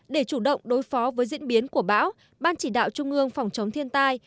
để chủ động đối phó với diễn biến của bão ban chỉ đạo trung ương phòng chống thiên tai